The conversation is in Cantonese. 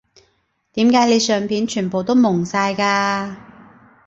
點解你相片全部都矇晒㗎